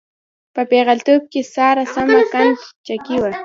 په پېغلتوب کې ساره سمه قند چکۍ وه.